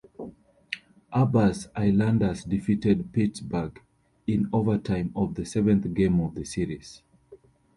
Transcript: Arbour's Islanders defeated Pittsburgh in overtime of the seventh game of the series.